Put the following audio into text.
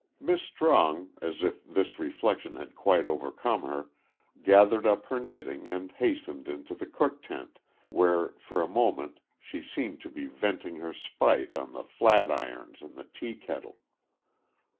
Miss Strong, as if this reflection had quite overcome her, gathered up her knitting and hastened into the cook tent, where for a moment she seemed to be venting her spite on the flat irons and the tea kettle.